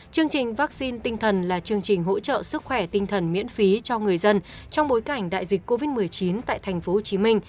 chương trình vaccine tinh thần là chương trình hỗ trợ sức khỏe tinh thần miễn phí cho người dân trong bối cảnh đại dịch covid một mươi chín tại tp hcm